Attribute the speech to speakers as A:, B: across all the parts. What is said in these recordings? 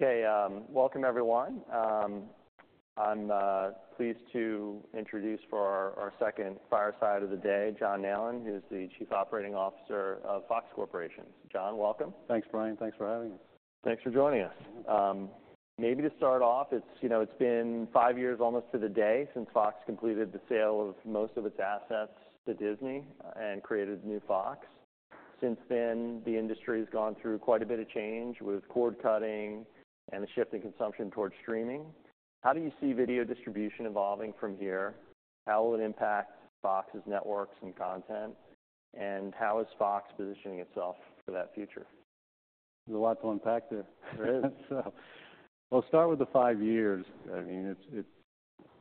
A: Okay, welcome everyone. I'm pleased to introduce for our second fireside of the day John Nallen, who's the Chief Operating Officer of Fox Corporation. John, welcome.
B: Thanks, Brian. Thanks for having us.
A: Thanks for joining us. Maybe to start off, it's, you know, it's been five years almost to the day since Fox completed the sale of most of its assets to Disney and created the new Fox. Since then, the industry has gone through quite a bit of change with cord cutting and a shift in consumption towards streaming. How do you see video distribution evolving from here? How will it impact Fox's networks and content? And how is Fox positioning itself for that future?
B: There's a lot to unpack there. There is, so. Well, start with the five years. I mean, it's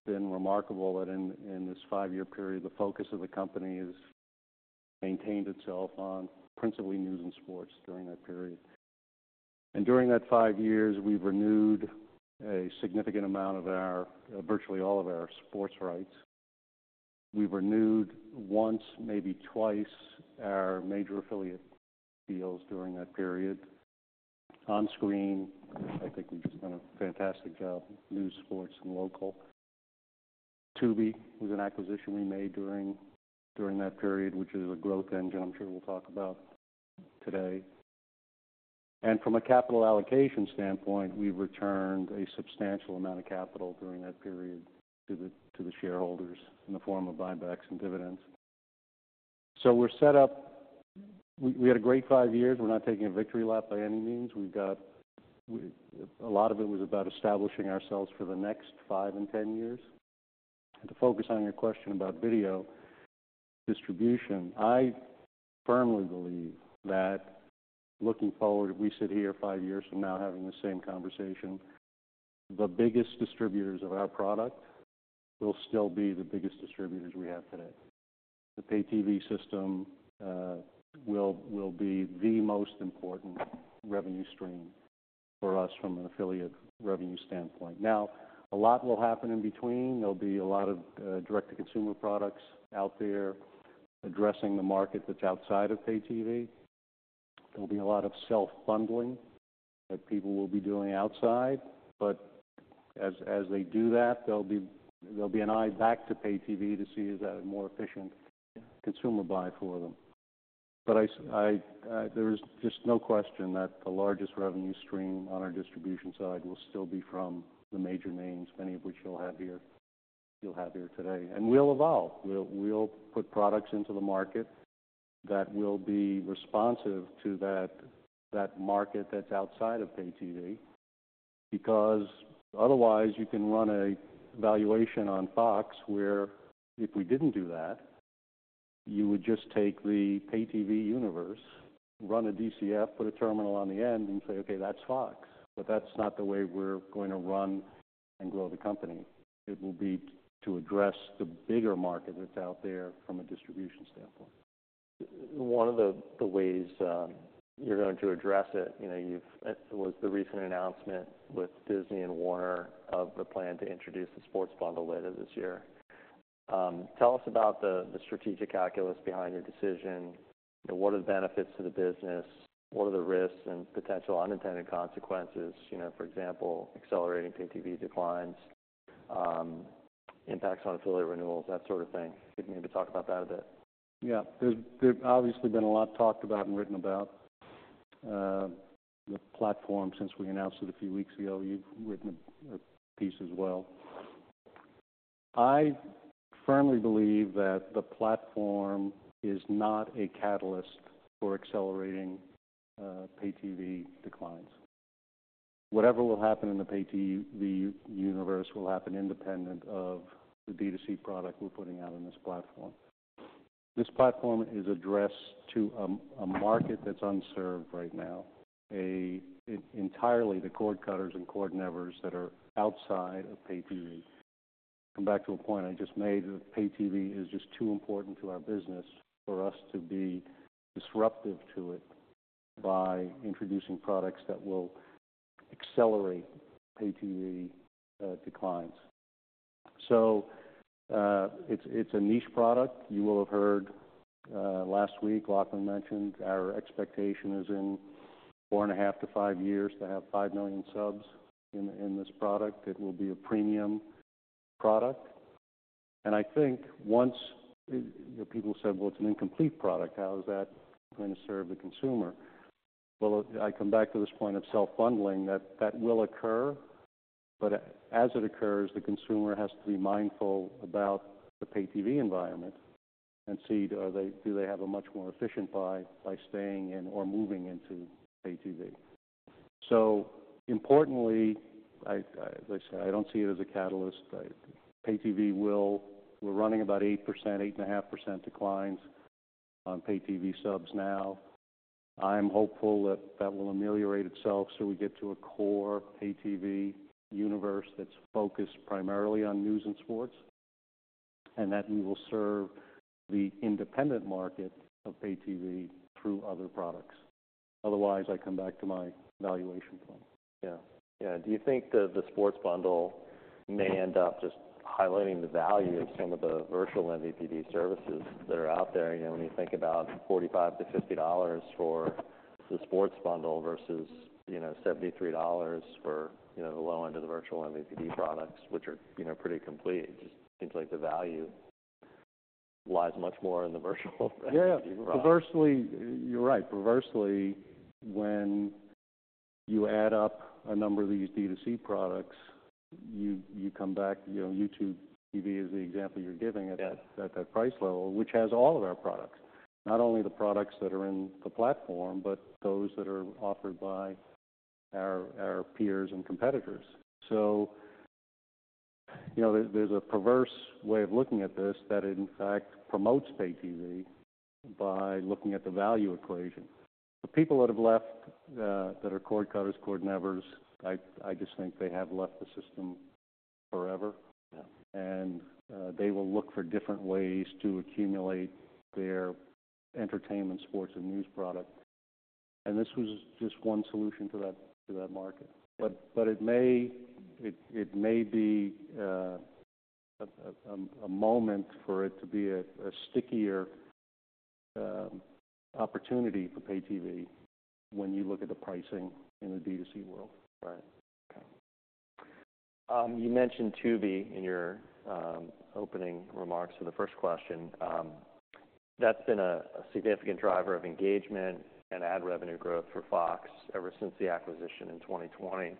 B: been remarkable that in this five-year period, the focus of the company has maintained itself on principally news and sports during that period. And during that five years, we've renewed a significant amount of our virtually all of our sports rights. We've renewed once, maybe twice, our major affiliate deals during that period. On screen, I think we just done a fantastic job: news, sports, and local. Tubi was an acquisition we made during that period, which is a growth engine I'm sure we'll talk about today. And from a capital allocation standpoint, we've returned a substantial amount of capital during that period to the shareholders in the form of buybacks and dividends. So we're set up we had a great five years. We're not taking a victory lap by any means. We've got a lot of it was about establishing ourselves for the next five and 10 years. And to focus on your question about video distribution, I firmly believe that looking forward, if we sit here five years from now having the same conversation, the biggest distributors of our product will still be the biggest distributors we have today. The Pay TV system will be the most important revenue stream for us from an affiliate revenue standpoint. Now, a lot will happen in between. There'll be a lot of direct-to-consumer products out there addressing the market that's outside of Pay TV. There'll be a lot of self-funding that people will be doing outside. But as they do that, there'll be an eye back to Pay TV to see is that a more efficient consumer buy for them. But there is just no question that the largest revenue stream on our distribution side will still be from the major names, many of which you'll have here today. And we'll evolve. We'll put products into the market that will be responsive to that market that's outside of Pay TV. Because otherwise, you can run a valuation on Fox where if we didn't do that, you would just take the Pay TV universe, run a DCF, put a terminal on the end, and say, "Okay, that's Fox." But that's not the way we're going to run and grow the company. It will be to address the bigger market that's out there from a distribution standpoint.
A: One of the ways you're going to address it, you know, it was the recent announcement with Disney and Warner of the plan to introduce the sports bundle later this year. Tell us about the strategic calculus behind your decision. You know, what are the benefits to the business? What are the risks and potential unintended consequences? You know, for example, accelerating Pay TV declines, impacts on affiliate renewals, that sort of thing. Could you maybe talk about that a bit?
B: Yeah. There's obviously been a lot talked about and written about the platform since we announced it a few weeks ago. You've written a piece as well. I firmly believe that the platform is not a catalyst for accelerating Pay TV declines. Whatever will happen in the Pay TV universe will happen independent of the B2C product we're putting out on this platform. This platform is addressed to a market that's unserved right now, an entirely the cord cutters and cord nevers that are outside of Pay TV. Come back to a point I just made, that Pay TV is just too important to our business for us to be disruptive to it by introducing products that will accelerate Pay TV declines. So, it's a niche product. You will have heard, last week, Lachlan mentioned our expectation is in 4.5-5 years to have five million subs in this product. It will be a premium product. And I think once you know, people said, "Well, it's an incomplete product. How is that going to serve the consumer?" Well, I come back to this point of self-funding. That will occur. But as it occurs, the consumer has to be mindful about the Pay TV environment and see, are they do they have a much more efficient buy by staying in or moving into Pay TV. So importantly, I, like I say, I don't see it as a catalyst. In Pay TV, we're running about 8%-8.5% declines on Pay TV subs now. I'm hopeful that that will ameliorate itself so we get to a core Pay TV universe that's focused primarily on news and sports, and that we will serve the independent market of Pay TV through other products. Otherwise, I come back to my valuation point.
A: Yeah. Yeah. Do you think the sports bundle may end up just highlighting the value of some of the virtual MVPD services that are out there? You know, when you think about $45-$50 for the sports bundle versus, you know, $73 for, you know, the low-end of the virtual MVPD products, which are, you know, pretty complete, it just seems like the value lies much more in the virtual MVPD products.
B: Yeah. Yeah. Perversely, you're right. Perversely, when you add up a number of these B2C products, you come back you know, YouTube TV is the example you're giving at that price level, which has all of our products, not only the products that are in the platform but those that are offered by our peers and competitors. So, you know, there's a perverse way of looking at this that, in fact, promotes Pay TV by looking at the value equation. The people that have left, that are cord cutters, cord nevers, I just think they have left the system forever.
A: Yeah.
B: They will look for different ways to accumulate their entertainment, sports, and news product. And this was just one solution to that market. But it may be a moment for it to be a stickier opportunity for Pay TV when you look at the pricing in the B2C world.
A: Right. Okay. You mentioned Tubi in your opening remarks to the first question. That's been a significant driver of engagement and ad revenue growth for Fox ever since the acquisition in 2020.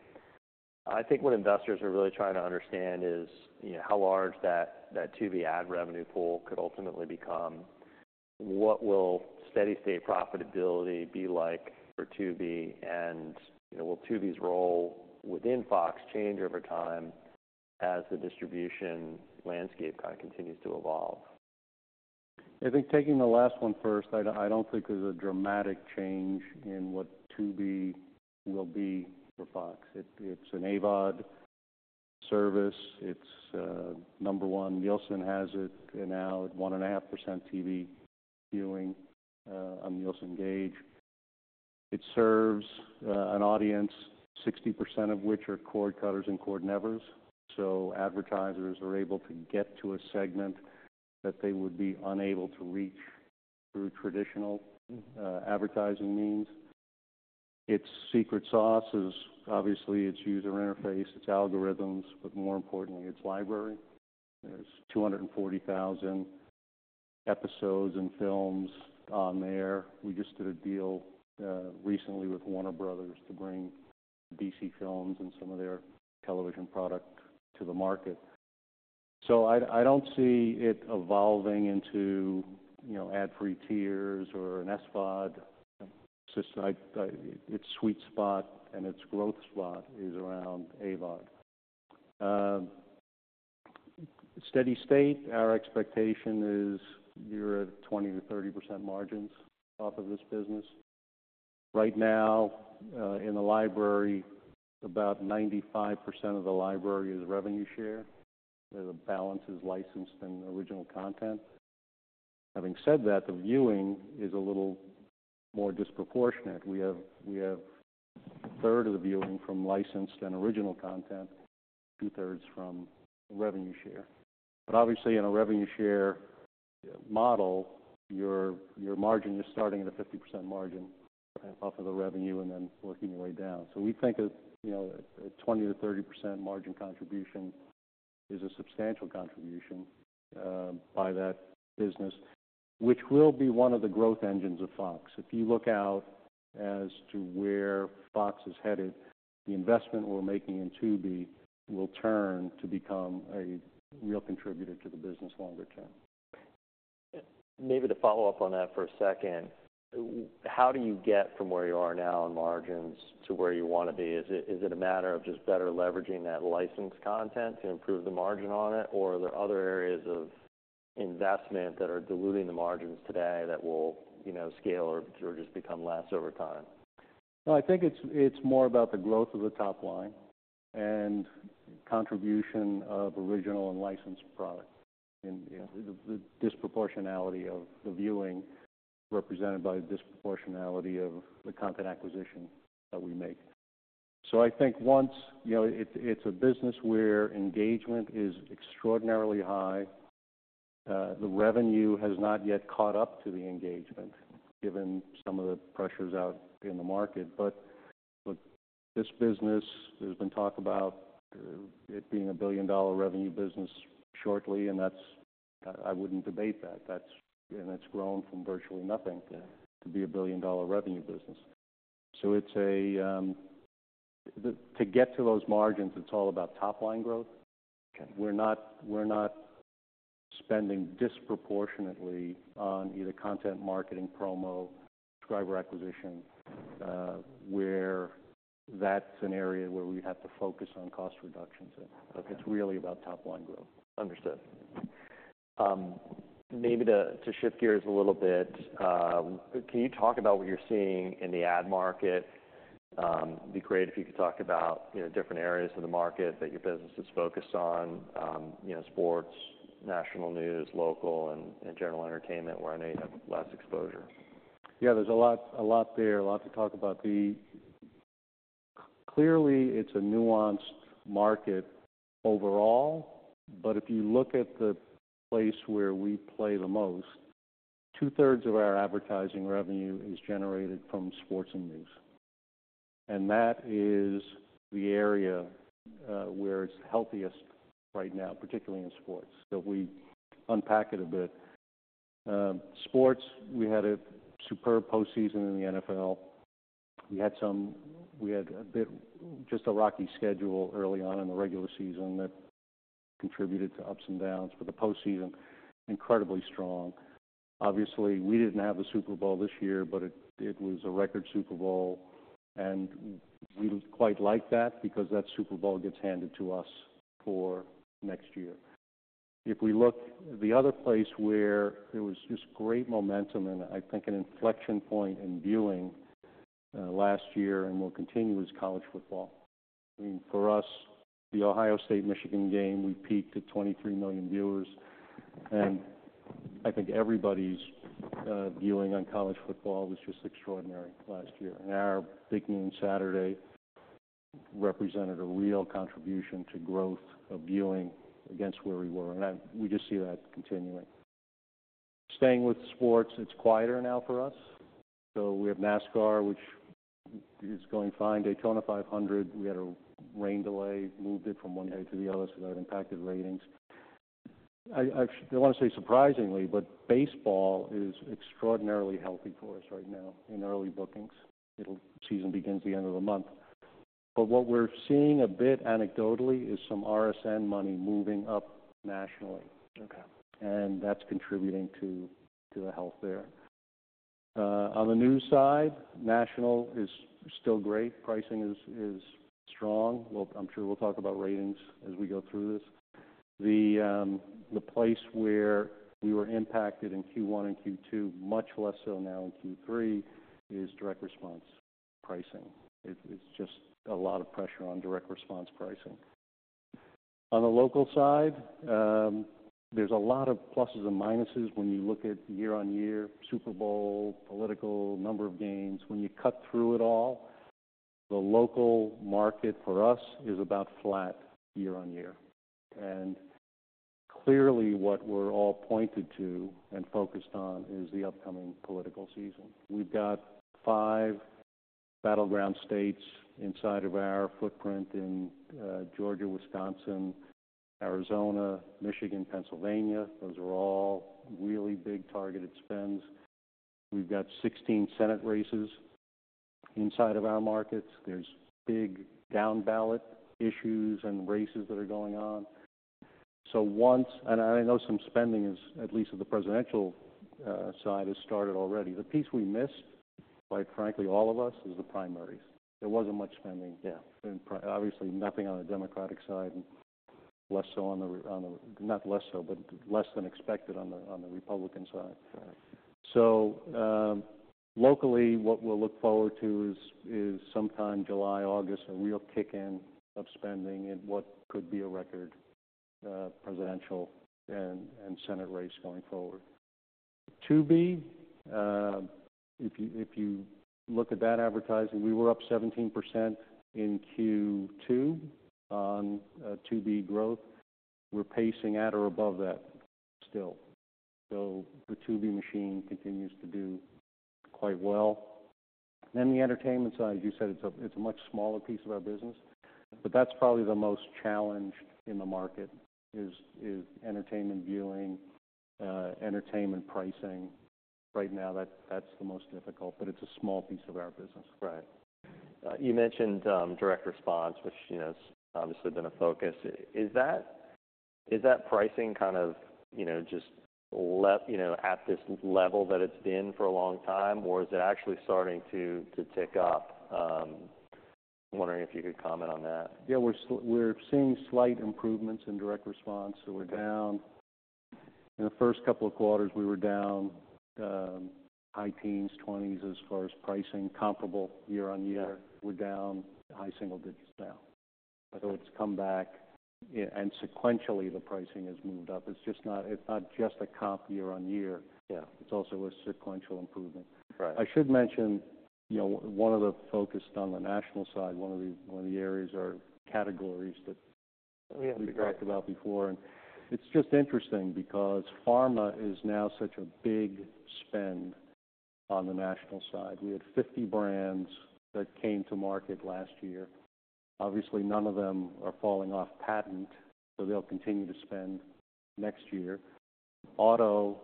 A: I think what investors are really trying to understand is, you know, how large that Tubi ad revenue pool could ultimately become, what will steady-state profitability be like for Tubi, and, you know, will Tubi's role within Fox change over time as the distribution landscape kind of continues to evolve?
B: I think taking the last one first, I don't I don't think there's a dramatic change in what Tubi will be for Fox. It's an AVOD service. It's number one. Nielsen has it now at 1.5% TV viewing on Nielsen Gauge. It serves an audience 60% of which are cord cutters and cord nevers. So advertisers are able to get to a segment that they would be unable to reach through traditional advertising means. Its secret sauce is obviously its user interface, its algorithms, but more importantly, its library. There's 240,000 episodes and films on there. We just did a deal recently with Warner Bros. to bring DC Films and some of their television product to the market. So I I don't see it evolving into, you know, ad-free tiers or an SVOD system. I I its sweet spot and its growth spot is around AVOD. steady-state, our expectation is you're at 20%-30% margins off of this business. Right now, in the library, about 95% of the library is revenue share. The balance is licensed and original content. Having said that, the viewing is a little more disproportionate. We have a third of the viewing from licensed and original content, two-thirds from revenue share. But obviously, in a revenue share model, your margin is starting at a 50% margin off of the revenue and then working your way down. So we think, you know, a 20%-30% margin contribution is a substantial contribution by that business, which will be one of the growth engines of Fox. If you look out as to where Fox is headed, the investment we're making in Tubi will turn to become a real contributor to the business longer term.
A: Maybe to follow up on that for a second, how do you get from where you are now in margins to where you want to be? Is it a matter of just better leveraging that licensed content to improve the margin on it, or are there other areas of investment that are diluting the margins today that will, you know, scale or just become less over time?
B: Well, I think it's more about the growth of the top line and contribution of original and licensed product in the disproportionality of the viewing represented by the disproportionality of the content acquisition that we make. So I think once, you know, it's a business where engagement is extraordinarily high, the revenue has not yet caught up to the engagement given some of the pressures out in the market. But look, this business, there's been talk about it being a billion-dollar revenue business shortly, and that's, I wouldn't debate that. That's, and it's grown from virtually nothing to be a billion-dollar revenue business. So it's a, to get to those margins, it's all about top-line growth.
A: Okay.
B: We're not spending disproportionately on either content marketing, promo, subscriber acquisition, where that's an area where we'd have to focus on cost reductions. It's really about top-line growth.
A: Understood. Maybe to shift gears a little bit, can you talk about what you're seeing in the ad market? It'd be great if you could talk about, you know, different areas of the market that your business is focused on, you know, sports, national news, local, and general entertainment where I know you have less exposure.
B: Yeah. There's a lot a lot there, a lot to talk about. Clearly, it's a nuanced market overall. But if you look at the place where we play the most, two-thirds of our advertising revenue is generated from sports and news. And that is the area where it's healthiest right now, particularly in sports. So if we unpack it a bit, sports, we had a superb postseason in the NFL. We had a bit just a rocky schedule early on in the regular season that contributed to ups and downs. But the postseason, incredibly strong. Obviously, we didn't have the Super Bowl this year, but it was a record Super Bowl. And we quite like that because that Super Bowl gets handed to us for next year. If we look the other place where there was just great momentum and I think an inflection point in viewing, last year and will continue is college football. I mean, for us, the Ohio State-Michigan game, we peaked at 23 million viewers. And I think everybody's viewing on college football was just extraordinary last year. And our Big Ten Saturday represented a real contribution to growth of viewing against where we were. And we just see that continuing. Staying with sports, it's quieter now for us. So we have NASCAR, which is going fine. Daytona 500, we had a rain delay, moved it from one day to the other so that impacted ratings. I don't want to say surprisingly, but baseball is extraordinarily healthy for us right now in early bookings. Season begins the end of the month. But what we're seeing a bit anecdotally is some RSN money moving up nationally.
A: Okay.
B: That's contributing to the health there. On the news side, national is still great. Pricing is strong. Well, I'm sure we'll talk about ratings as we go through this. The place where we were impacted in Q1 and Q2, much less so now in Q3, is direct response pricing. It's just a lot of pressure on direct response pricing. On the local side, there's a lot of pluses and minuses when you look at year-on-year, Super Bowl, political, number of games. When you cut through it all, the local market for us is about flat year-on-year. Clearly, what we're all pointed to and focused on is the upcoming political season. We've got five battleground states inside of our footprint in Georgia, Wisconsin, Arizona, Michigan, Pennsylvania. Those are all really big targeted spends. We've got 16 Senate races inside of our markets. There's big down-ballot issues and races that are going on. So once and I know some spending is at least of the presidential side has started already. The piece we missed, quite frankly, all of us, is the primaries. There wasn't much spending.
A: Yeah.
B: Obviously, nothing on the Democratic side and less so, not less so, but less than expected on the Republican side.
A: Right.
B: So, locally, what we'll look forward to is sometime July, August, a real kick-in of spending in what could be a record presidential and Senate race going forward. Tubi, if you look at that advertising, we were up 17% in Q2 on Tubi growth. We're pacing at or above that still. So the Tubi machine continues to do quite well. Then the entertainment side, as you said, it's a much smaller piece of our business. But that's probably the most challenged in the market is entertainment viewing, entertainment pricing. Right now, that that's the most difficult. But it's a small piece of our business.
A: Right. You mentioned direct response, which, you know, has obviously been a focus. Is that pricing kind of, you know, just left, you know, at this level that it's been for a long time, or is it actually starting to tick up? Wondering if you could comment on that.
B: Yeah. We're seeing slight improvements in direct response. So we're down in the first couple of quarters. We were down high teens-20s% as far as pricing, comparable year-on-year.
A: Yeah.
B: We're down high single digits now. So it's come back, and sequentially, the pricing has moved up. It's just not. It's not just a comp year-on-year.
A: Yeah.
B: It's also a sequential improvement.
A: Right.
B: I should mention, you know, one of the focused on the national side, one of the one of the areas are categories that we talked about before. And it's just interesting because pharma is now such a big spend on the national side. We had 50 brands that came to market last year. Obviously, none of them are falling off patent, so they'll continue to spend next year. Auto,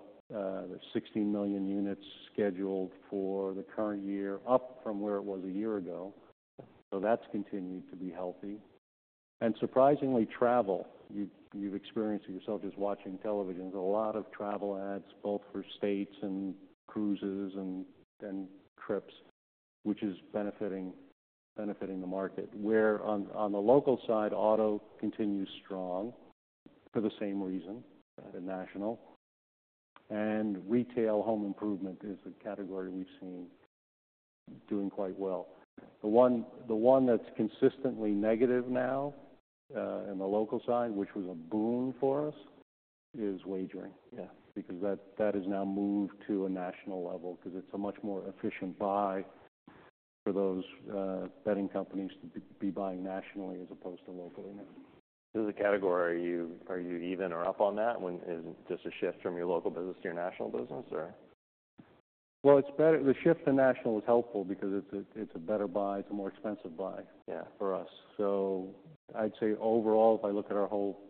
B: 16 million units scheduled for the current year, up from where it was a year ago. So that's continued to be healthy. And surprisingly, travel, you've you've experienced it yourself just watching television, a lot of travel ads both for states and cruises and and trips, which is benefiting benefiting the market. Where on on the local side, auto continues strong for the same reason at national. And retail home improvement is a category we've seen doing quite well. The one that's consistently negative now, in the local side, which was a boon for us, is wagering.
A: Yeah.
B: Because that has now moved to a national level because it's a much more efficient buy for those betting companies to be buying nationally as opposed to locally now.
A: Is the category? Are you even up on that? When is it just a shift from your local business to your national business, or?
B: Well, it's better. The shift to national is helpful because it's a better buy. It's a more expensive buy.
A: Yeah.
B: For us. So I'd say overall, if I look at our whole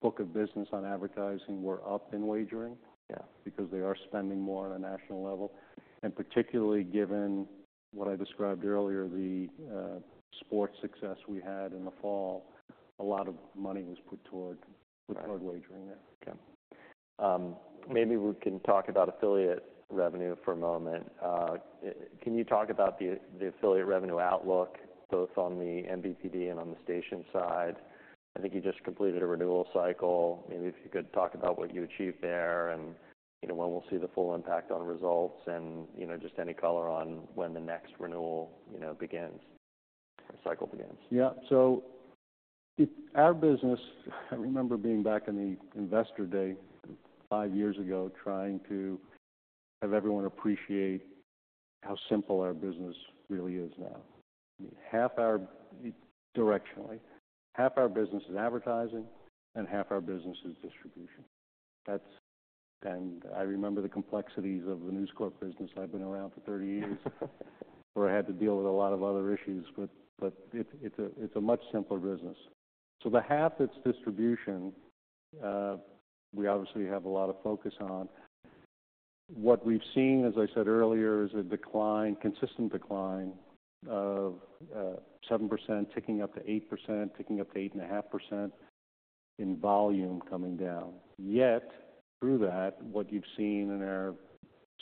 B: book of business on advertising, we're up in wagering.
A: Yeah.
B: Because they are spending more on a national level. And particularly given what I described earlier, the sports success we had in the fall, a lot of money was put toward wagering there.
A: Right. Okay. Maybe we can talk about affiliate revenue for a moment. Can you talk about the affiliate revenue outlook both on the MVPD and on the station side? I think you just completed a renewal cycle. Maybe if you could talk about what you achieved there and, you know, when we'll see the full impact on results and, you know, just any color on when the next renewal, you know, begins or cycle begins.
B: Yeah. So our business, I remember being back in the investor day five years ago trying to have everyone appreciate how simple our business really is now. I mean, half our directionally, half our business is advertising, and half our business is distribution. That's and I remember the complexities of the News Corp business. I've been around for 30 years, where I had to deal with a lot of other issues. But it's a much simpler business. So the half that's distribution, we obviously have a lot of focus on. What we've seen, as I said earlier, is a decline, consistent decline of 7% ticking up to 8%, ticking up to 8.5% in volume coming down. Yet through that, what you've seen in our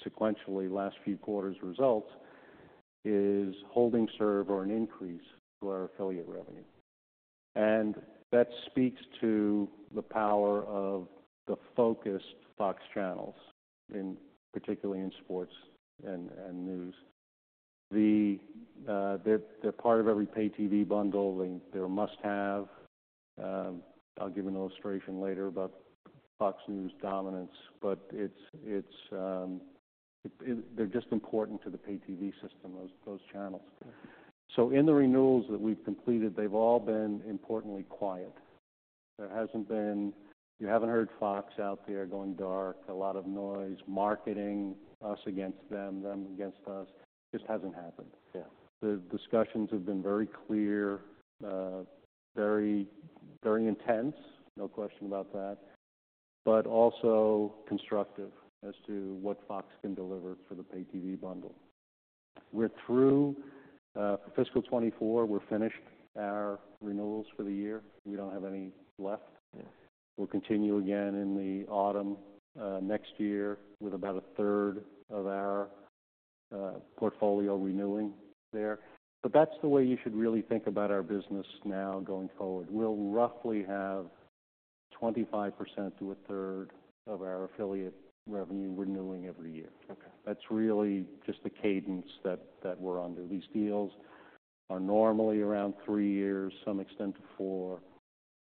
B: sequentially last few quarters results is holding serve or an increase to our affiliate revenue. And that speaks to the power of the focused Fox channels, particularly in sports and news. They're part of every Pay TV bundle. They're a must-have. I'll give an illustration later about Fox News dominance. But it's, they're just important to the Pay TV system, those channels. So in the renewals that we've completed, they've all been importantly quiet. There hasn't been. You haven't heard Fox out there going dark, a lot of noise, marketing us against them, them against us. Just hasn't happened.
A: Yeah.
B: The discussions have been very clear, very very intense, no question about that, but also constructive as to what Fox can deliver for the Pay TV bundle. We're through, for fiscal 2024. We're finished our renewals for the year. We don't have any left.
A: Yeah.
B: We'll continue again in the autumn, next year with about a third of our portfolio renewing there. But that's the way you should really think about our business now going forward. We'll roughly have 25% to a third of our affiliate revenue renewing every year.
A: Okay.
B: That's really just the cadence that we're under. These deals are normally around three years, some extend to four.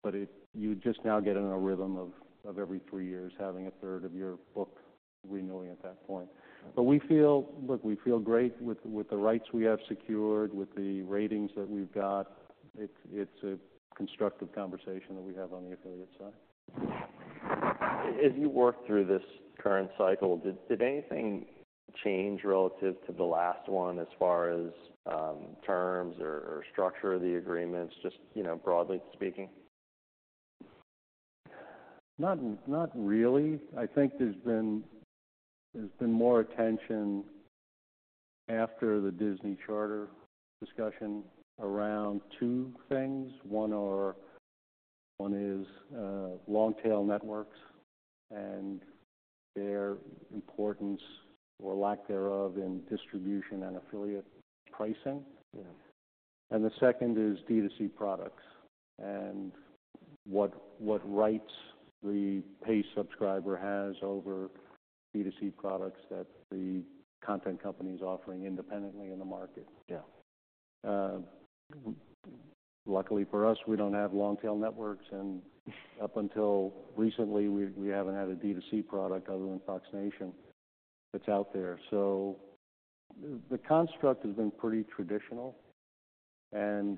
B: But if you just now get in a rhythm of every three years having a third of your book renewing at that point. But we feel, look, we feel great with the rights we have secured, with the ratings that we've got. It's a constructive conversation that we have on the affiliate side.
A: As you work through this current cycle, did anything change relative to the last one as far as terms or structure of the agreements, just, you know, broadly speaking?
B: Not really. I think there's been more attention after the Disney-Charter discussion around two things. One is long-tail networks and their importance or lack thereof in distribution and affiliate pricing.
A: Yeah.
B: The second is D2C products and what rights the pay subscriber has over D2C products that the content company is offering independently in the market.
A: Yeah.
B: Luckily for us, we don't have long-tail networks. And up until recently, we haven't had a D2C product other than Fox Nation that's out there. So the construct has been pretty traditional. And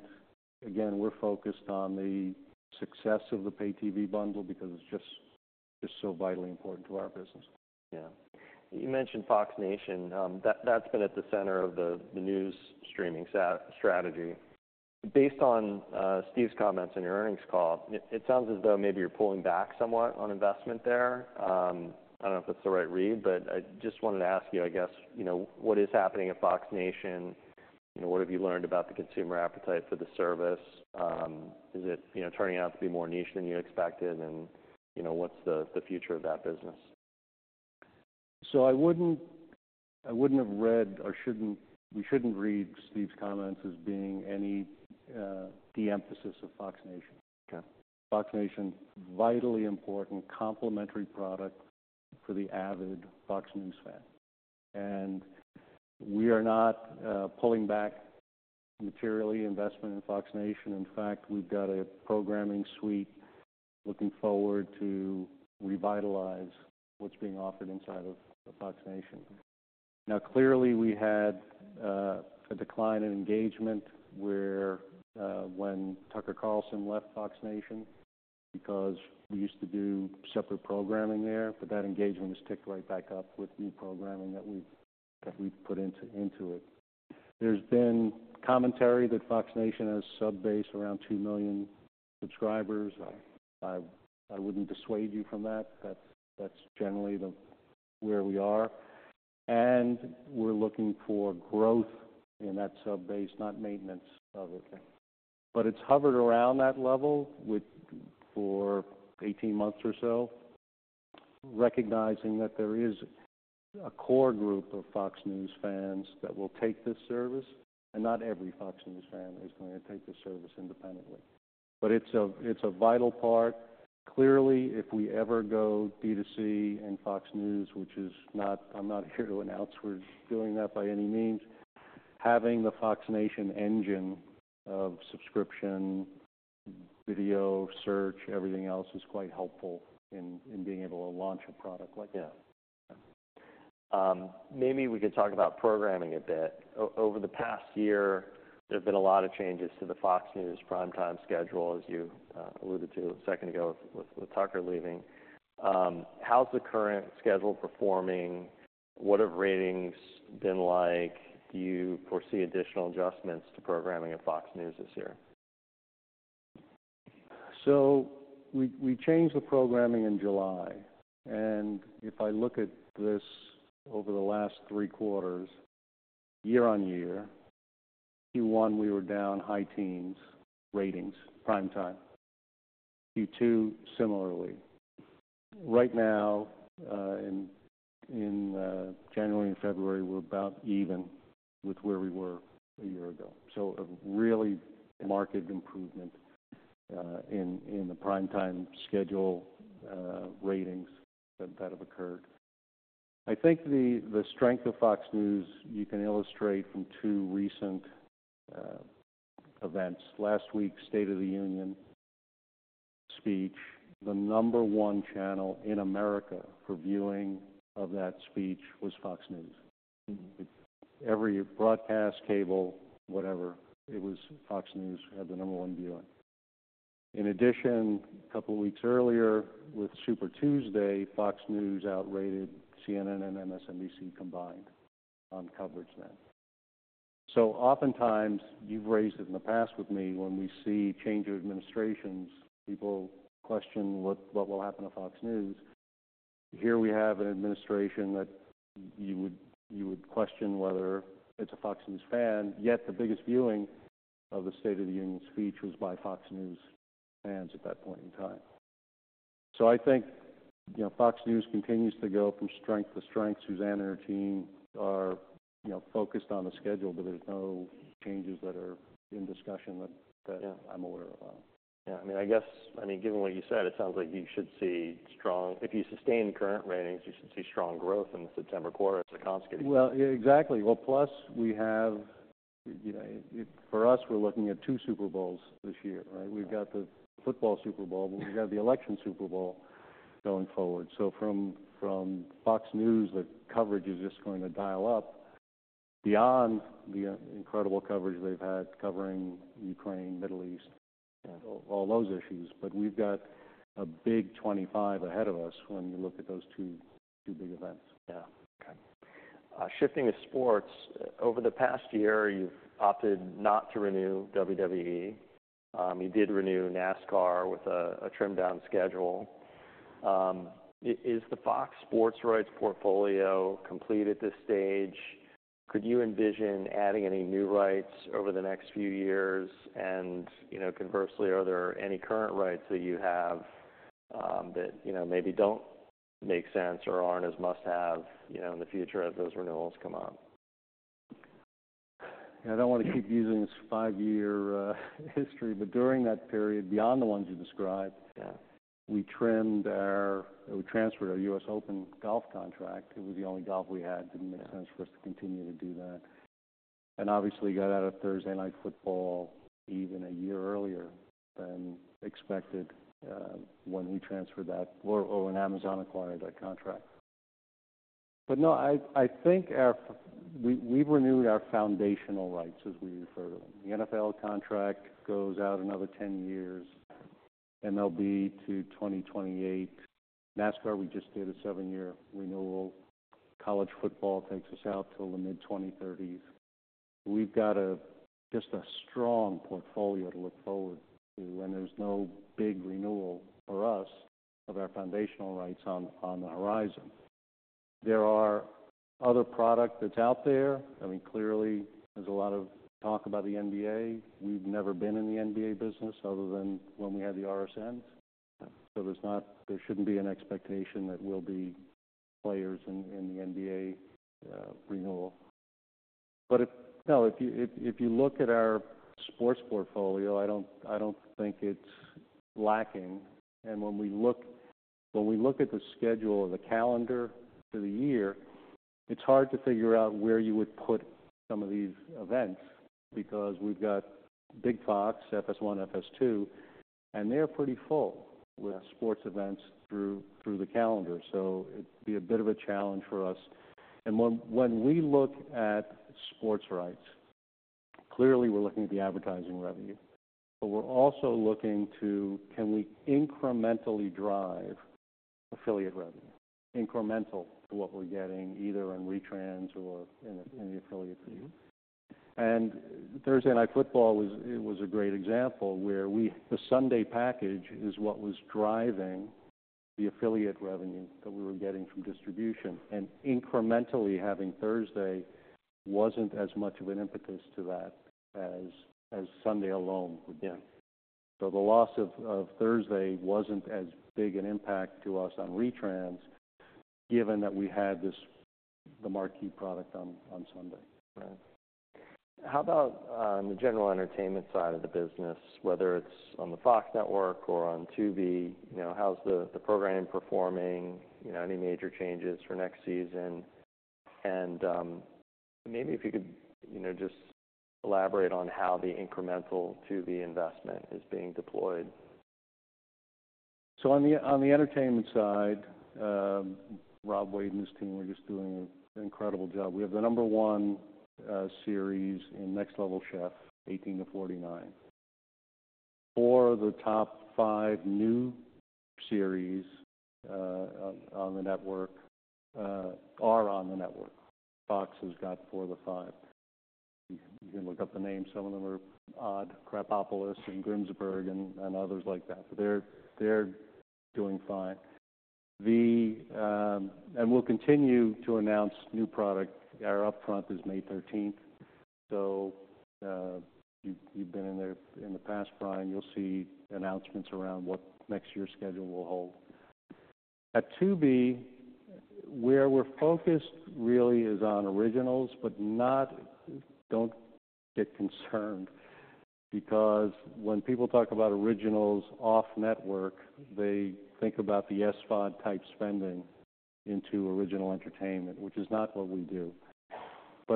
B: again, we're focused on the success of the Pay TV bundle because it's just so vitally important to our business.
A: Yeah. You mentioned Fox Nation. That that's been at the center of the news streaming as a strategy. Based on Steve's comments on your earnings call, it sounds as though maybe you're pulling back somewhat on investment there. I don't know if that's the right read, but I just wanted to ask you, I guess, you know, what is happening at Fox Nation? You know, what have you learned about the consumer appetite for the service? Is it, you know, turning out to be more niche than you expected? And, you know, what's the future of that business?
B: So I wouldn't have read or shouldn't we read Steve's comments as being any de-emphasis of Fox Nation.
A: Okay.
B: Fox Nation, vitally important, complementary product for the avid Fox News fan. We are not pulling back materially [on] investment in Fox Nation. In fact, we've got a programming suite looking forward to revitalize what's being offered inside of Fox Nation. Now, clearly, we had a decline in engagement where, when Tucker Carlson left Fox Nation because we used to do separate programming there, but that engagement has ticked right back up with new programming that we've put into it. There's been commentary that Fox Nation has a subbase around 2 million subscribers. I wouldn't dissuade you from that. That's generally where we are. We're looking for growth in that subbase, not maintenance of it.
A: Okay.
B: But it's hovered around that level for 18 months or so, recognizing that there is a core group of Fox News fans that will take this service. Not every Fox News fan is going to take this service independently. But it's a it's a vital part. Clearly, if we ever go D2C and Fox News, which is not. I'm not here to announce we're doing that by any means, having the Fox Nation engine of subscription, video search, everything else is quite helpful in in being able to launch a product like that.
A: Yeah. Maybe we could talk about programming a bit. Over the past year, there have been a lot of changes to the Fox News prime time schedule, as you alluded to a second ago with Tucker leaving. How's the current schedule performing? What have ratings been like? Do you foresee additional adjustments to programming at Fox News this year?
B: So we changed the programming in July. And if I look at this over the last three quarters, year-on-year, Q1, we were down high teens ratings, prime time. Q2, similarly. Right now, in January and February, we're about even with where we were a year ago. So a really marked improvement, in the prime time schedule, ratings that have occurred. I think the strength of Fox News, you can illustrate from two recent events. Last week, State of the Union speech, the number one channel in America for viewing of that speech was Fox News.
A: Mm-hmm.
B: Every broadcast, cable, whatever, it was Fox News had the number one viewing. In addition, a couple of weeks earlier with Super Tuesday, Fox News outrated CNN and MSNBC combined on coverage then. So oftentimes, you've raised it in the past with me, when we see change of administrations, people question what will happen to Fox News. Here, we have an administration that you would question whether it's a Fox News fan. Yet the biggest viewing of the State of the Union speech was by Fox News fans at that point in time. So I think, you know, Fox News continues to go from strength to strength. Suzanne and her team are, you know, focused on the schedule, but there's no changes that are in discussion that I'm aware of.
A: Yeah. Yeah. I mean, I guess I mean, given what you said, it sounds like you should see strong if you sustain current ratings, you should see strong growth in the September quarter as the costs get easier.
B: Well, exactly. Well, plus, we have you know, for us, we're looking at two Super Bowls this year, right? We've got the Football Super Bowl, but we've got the Election Super Bowl going forward. So from Fox News, the coverage is just going to dial up beyond the incredible coverage they've had covering Ukraine, Middle East, all those issues. But we've got a big 2025 ahead of us when you look at those two big events.
A: Yeah. Okay. Shifting to sports, over the past year, you've opted not to renew WWE. You did renew NASCAR with a trimmed-down schedule. Is the FOX Sports rights portfolio complete at this stage? Could you envision adding any new rights over the next few years? And, you know, conversely, are there any current rights that you have, that, you know, maybe don't make sense or aren't as must-have, you know, in the future as those renewals come up?
B: Yeah. I don't want to keep using this five-year history. But during that period, beyond the ones you described.
A: Yeah.
B: We transferred our U.S. Open golf contract. It was the only golf we had. Didn't make sense for us to continue to do that. And obviously got out of Thursday Night Football even a year earlier than expected, when we transferred that or when Amazon acquired that contract. But no, I think we've renewed our foundational rights, as we refer to them. The NFL contract goes out another 10 years, and that'll be to 2028. NASCAR, we just did a seven-year renewal. College football takes us out till the mid-2030s. We've got just a strong portfolio to look forward to. And there's no big renewal for us of our foundational rights on the horizon. There are other products that are out there. I mean, clearly, there's a lot of talk about the NBA. We've never been in the NBA business other than when we had the RSNs. So there's not; there shouldn't be an expectation that we'll be players in the NBA renewal. But, no, if you look at our sports portfolio, I don't think it's lacking. And when we look at the schedule or the calendar for the year, it's hard to figure out where you would put some of these events because we've got Big Fox, FS1, FS2, and they're pretty full with sports events through the calendar. So it'd be a bit of a challenge for us. And when we look at sports rights, clearly, we're looking at the advertising revenue. But we're also looking to, can we incrementally drive affiliate revenue, incremental to what we're getting either on retrans or in the affiliate fees?
A: Mm-hmm.
B: Thursday Night Football was a great example where the Sunday package is what was driving the affiliate revenue that we were getting from distribution. Incrementally, having Thursday wasn't as much of an impetus to that as Sunday alone would be.
A: Yeah.
B: So the loss of Thursday wasn't as big an impact to us on Retrans given that we had the marquee product on Sunday.
A: Right. How about the general entertainment side of the business, whether it's on the FOX Network or on TV? You know, how's the programming performing? You know, any major changes for next season? And, maybe if you could, you know, just elaborate on how the incremental TV investment is being deployed.
B: So on the entertainment side, Rob Wade's team, we're just doing an incredible job. We have the number one series in Next Level Chef, 18-49. Four of the top five new series on the network are on the network. Fox has got four of the five. You can look up the names. Some of them are odd, Krapopolis and Grimsburg and others like that. But they're doing fine. And we'll continue to announce new product. Our upfront is May 13th. So, you've been in there in the past, Brian. You'll see announcements around what next year's schedule will hold. At TV, where we're focused really is on originals but don't get concerned because when people talk about originals off network, they think about the SVOD-type spending into original entertainment, which is not what we do.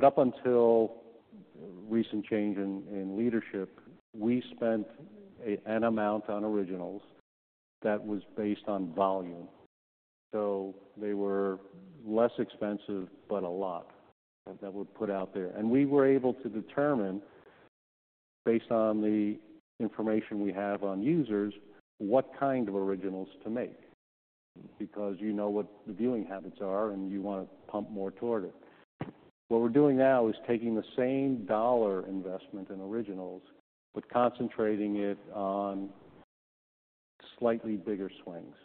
B: Up until recent change in leadership, we spent an amount on originals that was based on volume. They were less expensive but a lot that we put out there. We were able to determine, based on the information we have on users, what kind of originals to make because you know what the viewing habits are, and you want to pump more toward it. What we're doing now is taking the same dollar investment in originals but concentrating it on slightly bigger swings,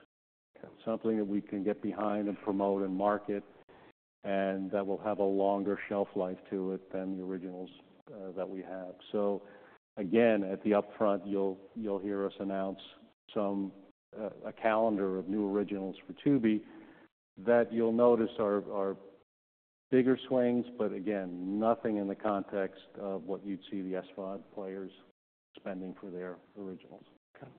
B: something that we can get behind and promote and market, and that will have a longer shelf life to it than the originals that we have. So again, at the upfront, you'll hear us announce some calendar of new originals for TV that you'll notice are bigger swings, but again, nothing in the context of what you'd see the SVOD players spending for their originals.
A: Okay.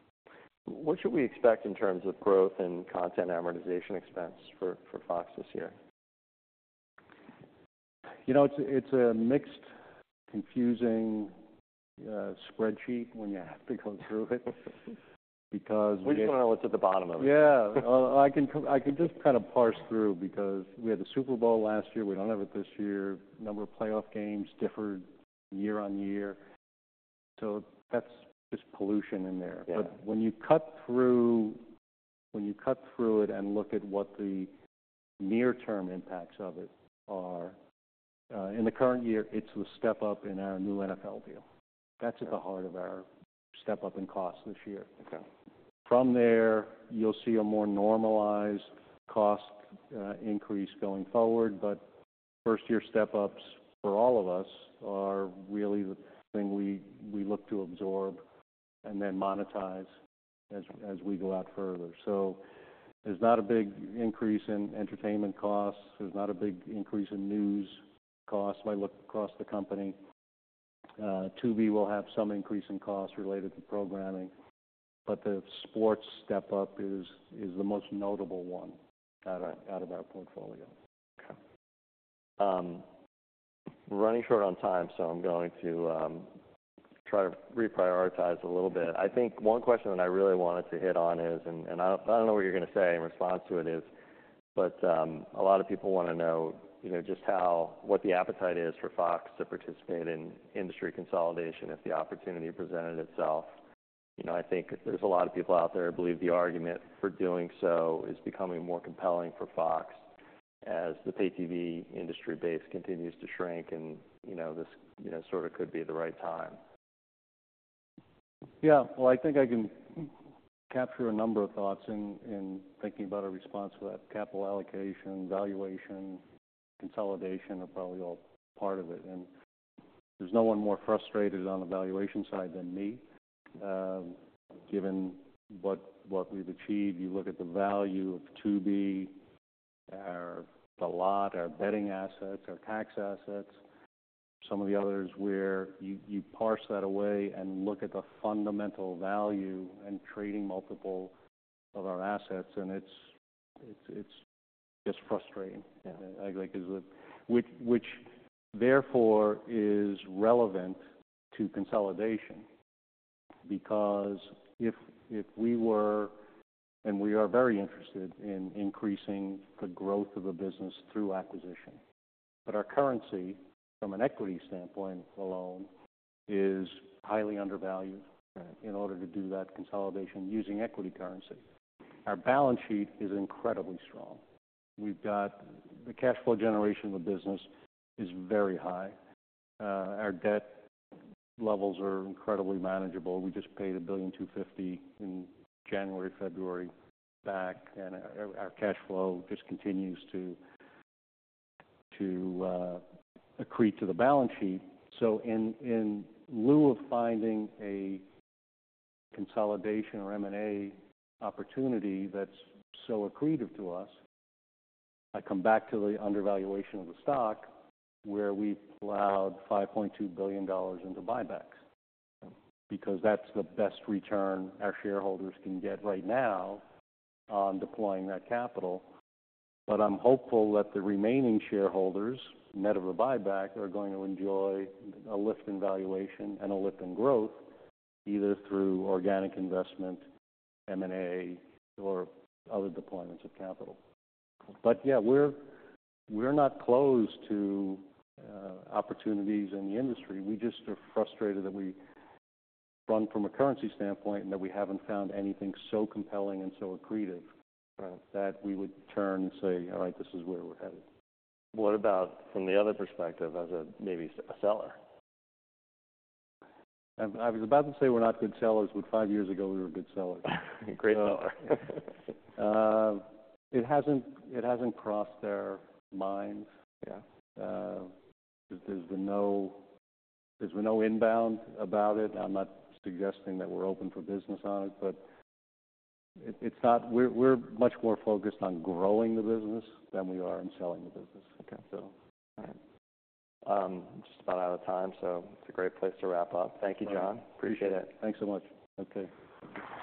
A: What should we expect in terms of growth and content amortization expense for Fox this year?
B: You know, it's a mixed, confusing spreadsheet when you have to go through it because we.
A: We just want to know what's at the bottom of it.
B: Yeah. Well, I can just kind of parse through because we had the Super Bowl last year. We don't have it this year. Number of playoff games differed year-over-year. So that's just pollution in there.
A: Yeah.
B: But when you cut through it and look at what the near-term impacts of it are, in the current year, it's the step up in our new NFL deal. That's at the heart of our step up in costs this year.
A: Okay.
B: From there, you'll see a more normalized cost increase going forward. But first-year step ups for all of us are really the thing we look to absorb and then monetize as we go out further. So there's not a big increase in entertainment costs. There's not a big increase in news costs when I look across the company. TV will have some increase in costs related to programming. But the sports step up is the most notable one out of our portfolio.
A: Okay. Running short on time, so I'm going to try to reprioritize a little bit. I think one question that I really wanted to hit on is, and I don't know what you're going to say in response to it, but a lot of people want to know, you know, just how the appetite is for Fox to participate in industry consolidation if the opportunity presented itself. You know, I think there's a lot of people out there who believe the argument for doing so is becoming more compelling for Fox as the Pay TV industry base continues to shrink. You know, this, you know, sort of could be the right time.
B: Yeah. Well, I think I can capture a number of thoughts in thinking about a response to that. Capital allocation, valuation, consolidation are probably all part of it. And there's no one more frustrated on the valuation side than me, given what we've achieved. You look at the value of TV, our the lot, our betting assets, our tax assets, some of the others where you parse that away and look at the fundamental value and trading multiple of our assets. And it's just frustrating.
A: Yeah.
B: I like, is the which therefore is relevant to consolidation because if we were and we are very interested in increasing the growth of the business through acquisition. But our currency, from an equity standpoint alone, is highly undervalued.
A: Right.
B: In order to do that consolidation using equity currency. Our balance sheet is incredibly strong. We've got the cash flow generation of the business is very high. Our debt levels are incredibly manageable. We just paid $1.25 billion in January, February back. And our cash flow just continues to accrete to the balance sheet. So in lieu of finding a consolidation or M&A opportunity that's so accretive to us, I come back to the undervaluation of the stock where we plowed $5.2 billion into buybacks because that's the best return our shareholders can get right now on deploying that capital. But I'm hopeful that the remaining shareholders, net of the buyback, are going to enjoy a lift in valuation and a lift in growth either through organic investment, M&A, or other deployments of capital. But yeah, we're not closed to opportunities in the industry. We just are frustrated that we run from a currency standpoint and that we haven't found anything so compelling and so accretive.
A: Right.
B: That we would turn and say, "All right. This is where we're headed.
A: What about from the other perspective as a maybe a seller?
B: I was about to say we're not good sellers, but five years ago, we were good sellers.
A: Great seller.
B: It hasn't crossed their minds.
A: Yeah.
B: There's no inbound about it. Now, I'm not suggesting that we're open for business on it. But it's not. We're much more focused on growing the business than we are in selling the business, so.
A: Okay. All right. Just about out of time, so it's a great place to wrap up. Thank you, John. Appreciate it.
B: All right. Thanks so much. Okay.